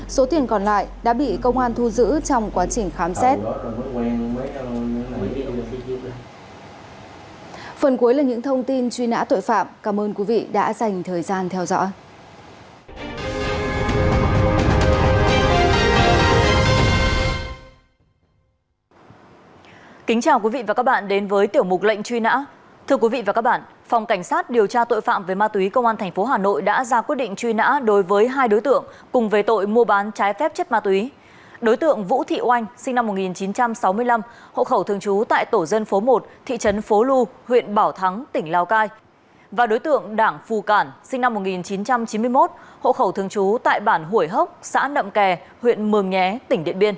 số tiền còn lại đã bị công an thu giữ trong quá trình khám xét